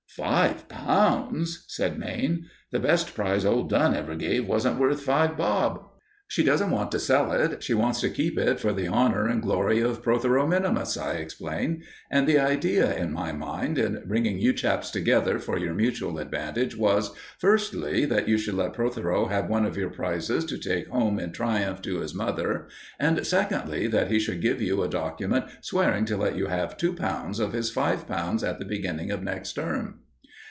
"Five pounds!" said Mayne. "The best prize old Dun ever gave wasn't worth five bob." "She doesn't want to sell it she wants to keep it for the honour and glory of Protheroe min.," I explained. "And the idea in my mind in bringing you chaps together for your mutual advantage was, firstly, that you should let Protheroe have one of your prizes to take home in triumph to his mother; and, secondly, that he should give you a document swearing to let you have two pounds of his five pounds at the beginning of next term."